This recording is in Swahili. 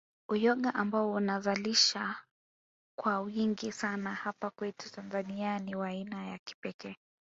Uyoga ambao unazalishwa kwa wingi sana hapa kwetu Tanzania ni wa aina ya kipekee